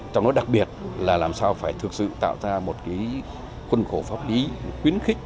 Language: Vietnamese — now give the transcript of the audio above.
trong đó đặc biệt là làm sao phải thực sự tạo ra một khung khổ pháp lý quyến khích